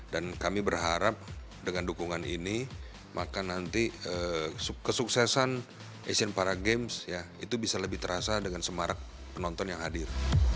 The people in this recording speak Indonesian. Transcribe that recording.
dan kami berharap dengan dukungan ini maka nanti kesuksesan asian para games itu bisa lebih terasa dengan semarak penonton yang hadir